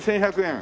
１１００円？